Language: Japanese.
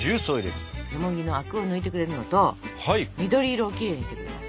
よもぎのアクを抜いてくれるのと緑色をきれいにしてくれます。